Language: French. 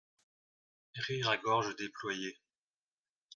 Rire à gorge déployée.